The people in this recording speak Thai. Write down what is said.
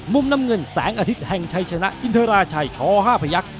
มุมน้ำเงินแสงอาทิตย์แห่งชัยชนะอินทราชัยช๕พยักษ์